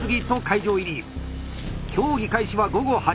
競技開始は午後８時。